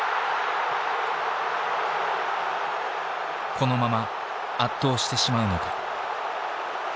このまま圧倒してしまうのか。